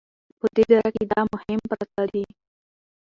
په دې دره کې دا مهم پراته دي